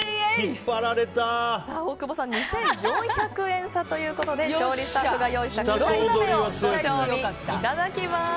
大久保さん、２４００円差ということで調理スタッフが用意した食労寿鍋をご賞味いただきます。